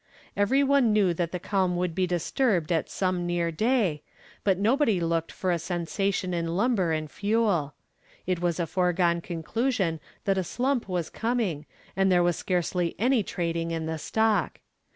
Every one knew that the calm would be disturbed at some near day, but nobody looked for a sensation in Lumber and Fuel. It was a foregone conclusion that a slump was coming, and there was scarcely any trading in the stock.